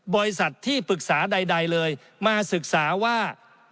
บริษัทที่ปรึกษาใดเลยมาศึกษาว่า